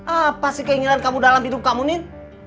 apa sih keinginan kamu dalam hidup kamu nih